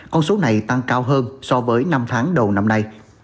con số này tăng cao hơn so với năm tháng đầu năm nay